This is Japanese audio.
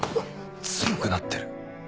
強くなってる